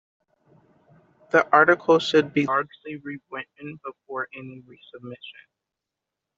The article should be largely rewritten before any resubmission.